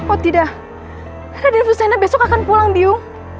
oh tidak raden fusena besok akan pulang biung